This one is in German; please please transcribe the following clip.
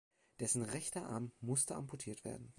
Dessen rechter Arm musste amputiert werden.